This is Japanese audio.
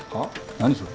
何それ？